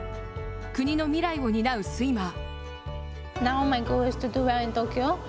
国の未来を担うスイマー。